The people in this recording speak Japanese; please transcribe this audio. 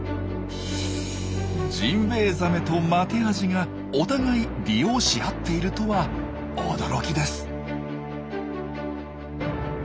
ジンベエザメとマテアジがお互い利用し合っているとは驚きです。